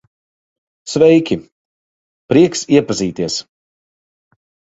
Sveiki, prieks iepazīties.